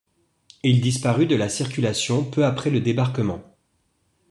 Il disparut de la circulation peu après le Débarquement.